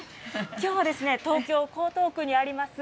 きょうは東京・江東区にあります